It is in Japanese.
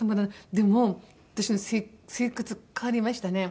でも私の生活変わりましたね。